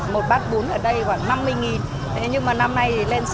một bát bún ở đây khoảng năm mươi thế nhưng mà năm nay thì lên sáu mươi